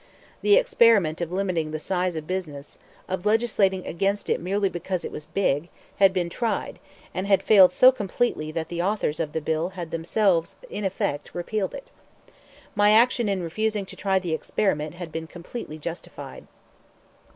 The experiment of limiting the size of business, of legislating against it merely because it was big, had been tried, and had failed so completely that the authors of the bill had themselves in effect repealed it. My action in refusing to try the experiment had been completely justified.